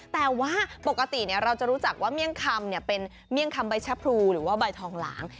แต่ว่าปกติเราจะรู้จักว่าเมี่ยงคำเป็นเมี่ยงคำใบชะพรูหรือว่าใบทองหลาง